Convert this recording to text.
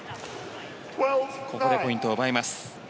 ここでポイントを奪います。